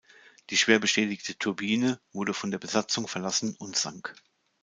Die schwer beschädigte "Turbine" wurde von der Besatzung verlassen und sank.